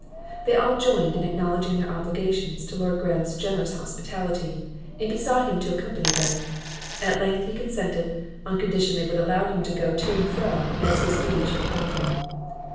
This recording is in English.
They all joined in acknowledging their obligations to Lord Graham's generous hospitality, and besought him to accompany them. At length he consented, on condition they would allow him to go to and fro, as his duty should call him.